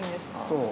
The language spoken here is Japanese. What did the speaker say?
そう。